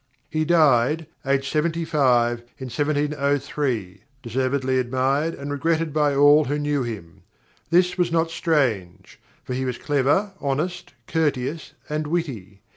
_ _He died, aged seventy five, in 1703, deservedly admired and regretted by all who knew him. This was not strange. For he was clever, honest, courteous, and witty.